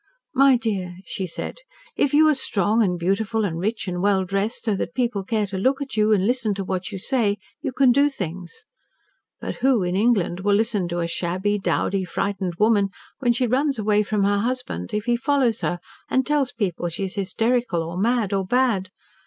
"My dear" she said, "if you are strong and beautiful and rich and well dressed, so that people care to look at you, and listen to what you say, you can do things. But who, in England, will listen to a shabby, dowdy, frightened woman, when she runs away from her husband, if he follows her and tells people she is hysterical or mad or bad?